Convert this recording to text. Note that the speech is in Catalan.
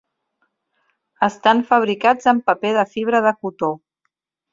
Estan fabricats amb paper de fibra de cotó.